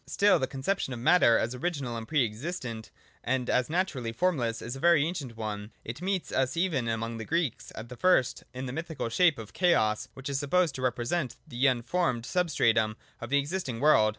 Still the conception of matter as original and pre existent, and as naturally formless, is a very ancient one ; it meets us even among the Greeks, at first in the mythical shape of Chaos, which is supposed to represent the unformed substratum of the existing world.